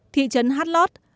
thị trấn hát lót